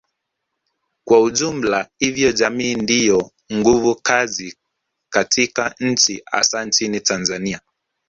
kwa ujumla hivyo jamii ndiyo nguvu kazi katika nchi hasa nchini Tanzania